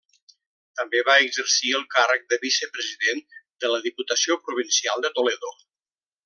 També va exercir el càrrec de vicepresident de la Diputació Provincial de Toledo.